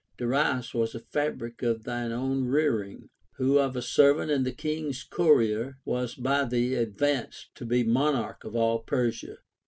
Darius was a fabric of thy own rearing, who of a ser vant and the king's courier was by thee advanced to be mon arch of all Persia.